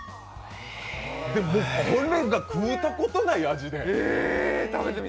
これが食うたことない味で。